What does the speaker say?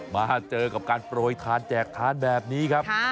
มาเจอกับการโปรยทานแจกทานแบบนี้ครับ